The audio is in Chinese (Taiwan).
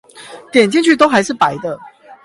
點進去都還是白的